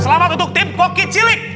selamat untuk tim koki cilik